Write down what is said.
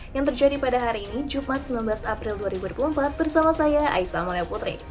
yang terjadi pada hari ini jumat sembilan belas april dua ribu dua puluh empat bersama saya aisa malio putri